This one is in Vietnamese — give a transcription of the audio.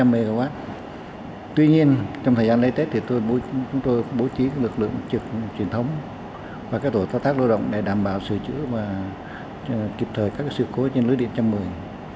hai trăm linh mw tuy nhiên trong thời gian lấy tết thì chúng tôi bố trí lực lượng trực truyền thống và các tổ tác lưu động để đảm bảo sửa chữa và kịp thời các sự cố trên lưới điện chăm mười